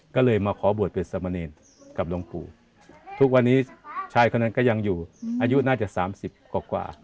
ก็เลยมาขอบวชเป็นสมเนรกับหลวงปู่ทุกวันนี้ชายคนนั้นก็ยังอยู่อายุน่าจะ๓๐กว่า